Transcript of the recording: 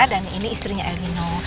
dan ini istrinya elnino